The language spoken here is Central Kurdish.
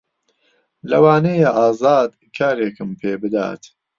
لەوانەیە ئازاد کارێکم پێ بدات.